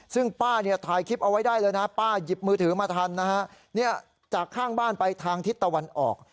ซึ่งป้าเนี่ยถ่ายคลิปเอาไว้ได้เลยนะป้าหยิบมือถือมาทันนะฮะจากข้างบ้านไปทางทิศตะวันออก